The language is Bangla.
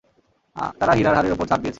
তারা হীরার হারের উপর ছাড় দিয়েছে।